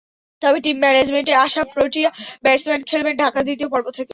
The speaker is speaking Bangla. তবে টিম ম্যানেজমেন্টের আশা, প্রোটিয়া ব্যাটসম্যান খেলবেন ঢাকার দ্বিতীয় পর্ব থেকে।